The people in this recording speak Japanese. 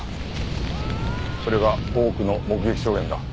それが多くの目撃証言だ。